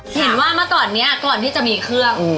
เห็นว่าเมื่อก่อนนี้ก่อนที่จะมีเครื่อง